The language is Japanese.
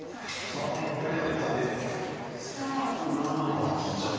あれかあちゃんに？